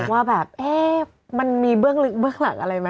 ว่าแบบมันมีเบื้องหลักอะไรไหม